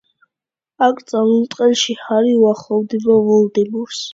აკრძალულ ტყეში ჰარი უახლოვდება ვოლდემორს.